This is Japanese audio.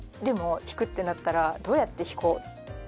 でも弾くってなったらどうやって弾こう。